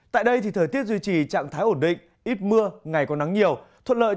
tại đây thì thời tiết duy trì trạng thái ổn định ít mưa ngày có nắng nhiều